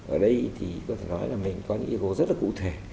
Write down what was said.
ở đây thì có thể nói là mình có những yêu cầu rất là cụ thể